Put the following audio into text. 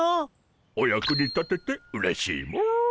お役に立ててうれしいモ。